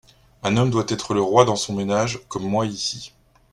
Un homme doit être le roi dans son ménage, comme moi ici.